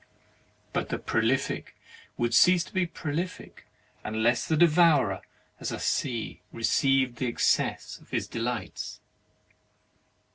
But the Prolific would cease to be prolific unless the Devourer as a sea received the excess of his delights.